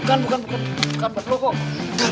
bukan bukan bukan bukan buat lo kok